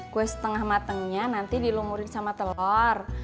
kue setengah matengnya nanti dilumurin sama telur